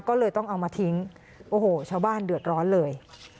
ก็เลยต้องเอามาทิ้งโอ้โหชาวบ้านเดือดร้อนเลย